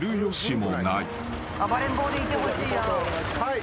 はい。